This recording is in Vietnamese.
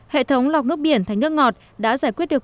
hệ thống lọc nước biển thành nước ngọt đã giải quyết được